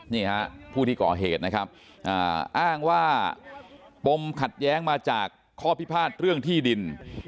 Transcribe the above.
นี่ฮะผู้ที่ก่อเหตุนะครับอ้างว่าปมขัดแย้งมาจากข้อพิพาทเรื่องที่ดิน